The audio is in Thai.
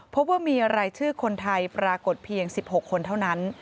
พบว่ามีรายชื่อคนไทยปรากฏเพียง๑๖คนเท่านั้น